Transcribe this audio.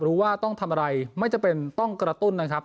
รู้ว่าต้องทำอะไรไม่จำเป็นต้องกระตุ้นนะครับ